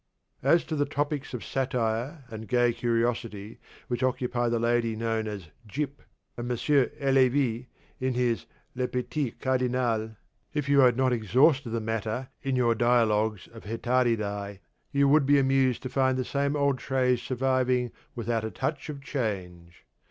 As to the topics of satire and gay curiosity which occupy the lady known as 'Gyp,' and M. Halévy in his 'Les Petites Cardinal,' if you had not exhausted the matter in your 'Dialogues of Hetairai,' you would be amused to find the same old traits surviving without a touch of change.